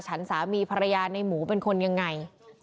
สามีภรรยาในหมูเป็นคนยังไง